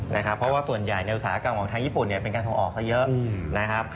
เพราะว่าส่วนใหญ่ในอุตสาหกรรมของทางญี่ปุ่นเป็นการส่งออกซะเยอะนะครับ